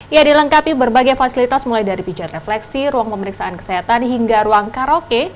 ia dilengkapi berbagai fasilitas mulai dari pijat refleksi ruang pemeriksaan kesehatan hingga ruang karaoke